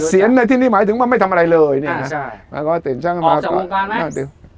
เกษียณในที่นี่หมายถึงว่าไม่ทำอะไรเลยใช่ออกจากวงการไหม